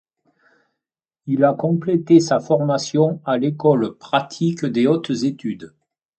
Il a complété sa formation à l'École pratique des hautes études.